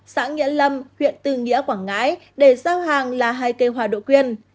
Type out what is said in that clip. xã nghĩa lâm huyện tư nghĩa quảng ngãi để giao hàng là hai cây hòa độ quyên